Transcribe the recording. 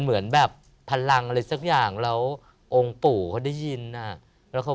เหมือนแบบพลังอะไรสักอย่างแล้วองค์ปู่เขาได้ยินอ่ะแล้วเขา